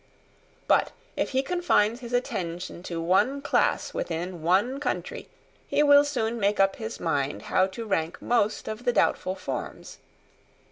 But if he confine his attention to one class within one country he will soon make up his mind how to rank most of the doubtful forms.